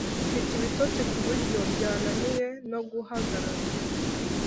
Mfite ibitotsi kuburyo byananiye noguhagarara